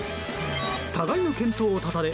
互いの健闘をたたえ